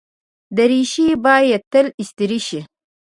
دریشي باید تل استری شي.